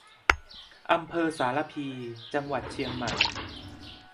อำเภอสารภี จังหวัดเชียงใหม่